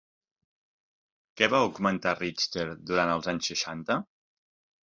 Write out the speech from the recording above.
Què va augmentar Richter durant els anys seixanta?